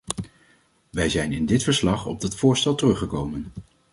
Wij zijn in dit verslag op dat voorstel teruggekomen.